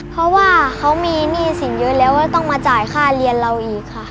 เพราะว่าเขามีหนี้สินเยอะแล้วก็ต้องมาจ่ายค่าเรียนเราอีกค่ะ